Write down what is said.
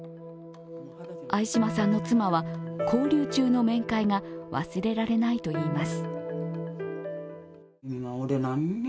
相嶋さんの妻は、勾留中の面会が忘れられないと言います。